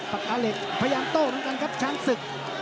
ปากกาเหล็กพยายามโต้เหมือนกันครับช้างศึก